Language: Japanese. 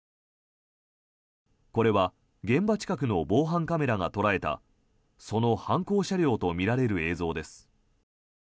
これは現場近くの防犯カメラが捉えたその犯行車両とみられる映像です。